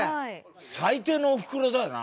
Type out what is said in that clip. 最低のおふくろだよな